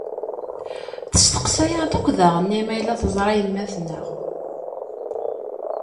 Testeqsa-aɣ-d akk daɣenni ma yella tezṛa yemma-tneɣ.